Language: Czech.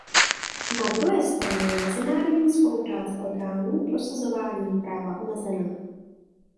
Na druhé straně je mezinárodní spolupráce orgánů prosazování práva omezená.